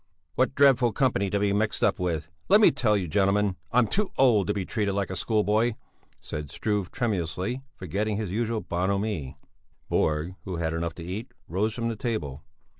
"What dreadful company to be mixed up with! Let me tell you, gentlemen, I'm too old to be treated like a schoolboy," said Struve, tremulously, forgetting his usual bonhomie. Borg, who had had enough to eat, rose from the table.